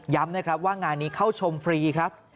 นะครับว่างานนี้เข้าชมฟรีครับ